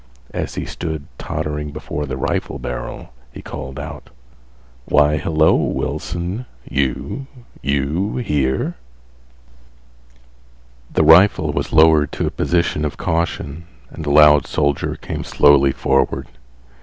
As he stood tottering before the rifle barrel, he called out: "Why, hello, Wilson, you—you here?" The rifle was lowered to a position of caution and the loud soldier came slowly forward.